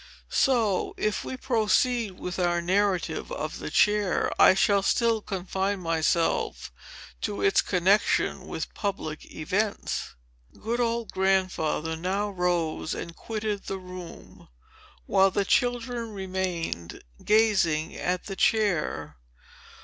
"So, if we proceed with our narrative of the chair, I shall still confine myself to its connection with public events." Good old Grandfather now rose and quitted the room, while the children remained gazing at the chair.